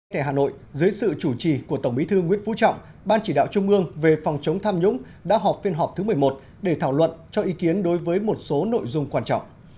tại hà nội dưới sự chủ trì của tổng bí thư nguyễn phú trọng ban chỉ đạo trung ương về phòng chống tham nhũng đã họp phiên họp thứ một mươi một để thảo luận cho ý kiến đối với một số nội dung quan trọng